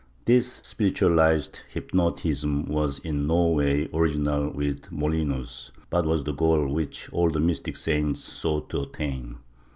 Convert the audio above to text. ^ This spiritualized hypnotism was in no way original with Molinos, but was the goal which all the mystic saints sought to attain.